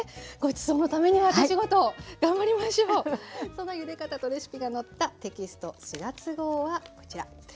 そのゆで方とレシピが載ったテキスト４月号はこちら。